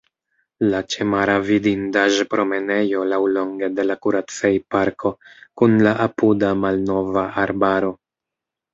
La ĉemara vidindaĵ-promenejo laŭlonge de la Kuracej-parko kun la apuda malnova arbaro.